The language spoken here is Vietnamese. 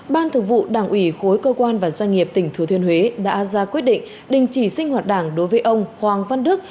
ban thực vụ đảng ủy khối cơ quan và doanh nghiệp tỉnh thừa thiên huế đã ra quyết định đình chỉ sinh hoạt đảng đối với ông hoàng văn đức